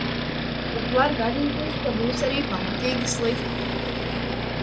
Bet var gadīties, ka būs arī pamatīgi slikti.